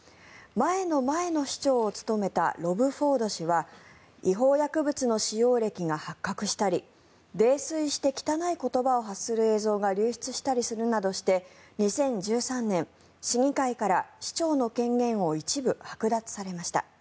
前の前の市長を務めたロブ・フォード氏は違法薬物の使用歴が発覚したり泥酔して汚い言葉を発する映像が流出するなどして２０１３年、市議会から市長の権限を一部はく奪されました。